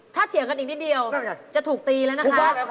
ถ้าเถียงกันอีกนิดเดียวจะถูกตีแล้วนะคะ